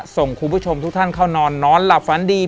ส่งคุณผู้ชมทุกท่านเข้านอนนอนหลับฝันดี